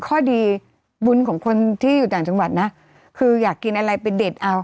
ข้อดีบุญของคนที่อยู่ต่างจังหวัดนะคืออยากกินอะไรไปเด็ดเอา